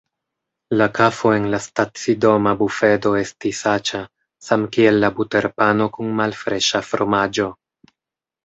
La kafo en la stacidoma bufedo estis aĉa, samkiel la buterpano kun malfreŝa fromaĝo.